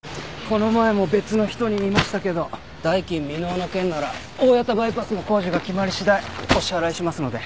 この前も別の人に言いましたけど代金未納の件なら大谷田バイパスの工事が決まりしだいお支払いしますので。